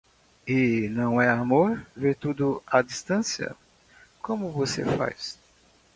E não é amor ver tudo à distância? como você faz.